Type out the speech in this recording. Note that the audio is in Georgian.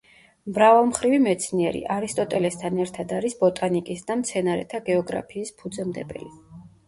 მრავალმხრივი მეცნიერი; არისტოტელესთან ერთად არის ბოტანიკის და მცენარეთა გეოგრაფიის ფუძემდებელი.